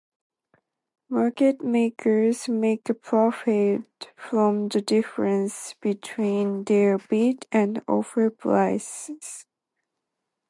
Market makers make a profit from the difference between their bid and offer prices.